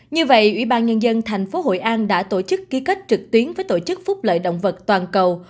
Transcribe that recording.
như vậy ủy ban nhân dân tp hội an đã tổ chức ký kết trực tuyến với tổ chức phúc lợi động vật toàn cầu